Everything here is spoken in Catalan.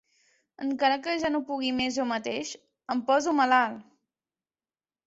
Encara que ja no pugui més jo mateix, em poso malalt!